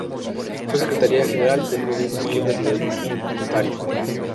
Fue secretaria general del movimiento Izquierda Libertaria.